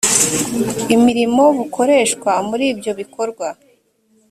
imirimo bukoreshwa muri ibyo bikorwa